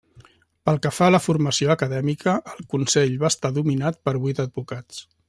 Pel que fa a la formació acadèmica, el Consell va estar dominat per vuit advocats.